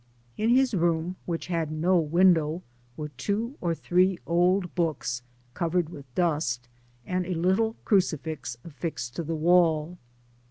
In his room, which had no window, were two or three old books, covered with dust, and a httle crucifix affixed to the wall.